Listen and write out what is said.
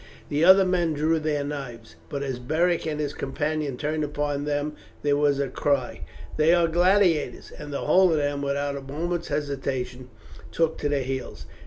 The other men drew their knives, but as Beric and his companion turned upon them there was a cry, "They are gladiators," and the whole of them without a moment's hesitation took to their heels.